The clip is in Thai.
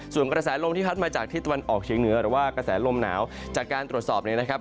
ส่วนกระแสลมที่พัดมาจากที่ตะวันออกเฉียงเหนือหรือว่ากระแสลมหนาวจากการตรวจสอบเนี่ยนะครับ